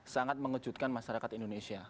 sangat mengejutkan masyarakat indonesia